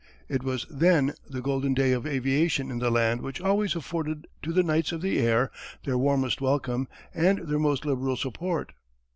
It was then the golden day of aviation in the land which always afforded to the Knights of the Air their warmest welcome and their most liberal support.